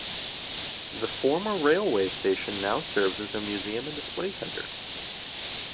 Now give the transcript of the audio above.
The former railway station now serves as a museum and display centre.